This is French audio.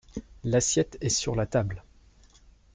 L’assiette est sur la table.